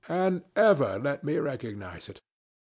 And ever let me recognize it!